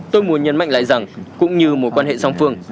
tôi muốn nhấn mạnh lại rằng cũng như mối quan hệ song phương